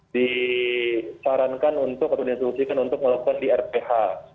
disarankan untuk dilakukan di rph